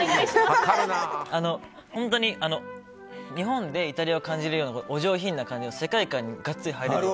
本当に日本でイタリアを感じるようなお上品な感じの世界観にガッツリ入れる。